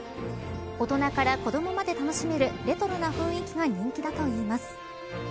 大人から子どもまで楽しめるレトロな雰囲気が人気だといいます。